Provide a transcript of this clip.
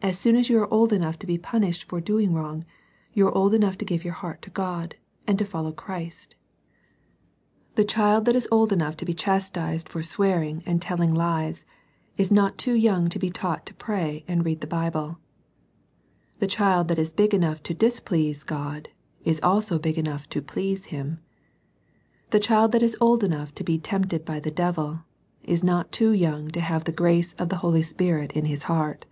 As soon as you are old enough to be punished for doing wrong, you are old enough to give your Aeart to God, and to follow Christ. The child THE TWO BEARS. II that is old enough to be chastised for swearing and telling lies, is not too young to be taught to pray and read the Bible. The child that is big enough to displease God, is also big enough to please Him. The child that is old enough to be tempted by the devil, is not too young to have the grace of the Holy Spirit in his heart.